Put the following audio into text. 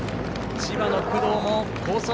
千葉の工藤も好走。